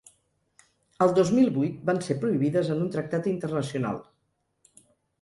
El dos mil vuit van ser prohibides en un tractat internacional.